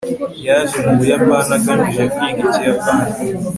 yaje mu buyapani agamije kwiga ikiyapani